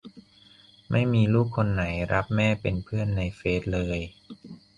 ไม่มีลูกคนไหนรับแม่เป็นเพื่อนในเฟซเลย